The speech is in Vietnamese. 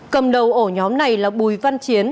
cầm đầu ổ nhóm này là bùi văn chiến